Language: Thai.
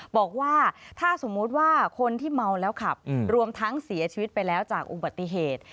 บอกว่าถ้าสมมุติว่าคนที่เมาแล้วขับรวมทั้งเสียชีวิตไปแล้วจากอุบัติเหตุ